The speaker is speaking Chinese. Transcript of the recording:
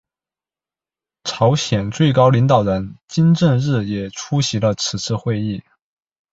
朝鲜最高领导人金正日也出席了此次会议。